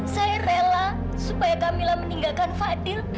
saya rela supaya camillah meninggalkan fadil